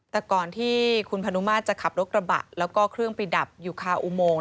แต่ก่อนที่คุณพนุมาตรจะขับรถกระบะแล้วก็เครื่องไปดับอยู่คาอุโมง